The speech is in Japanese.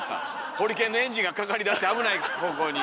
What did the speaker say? ホリケンのエンジンがかかりだして危ない方向に。